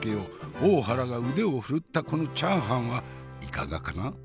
大原が腕を振るったこのチャーハンはいかがかな。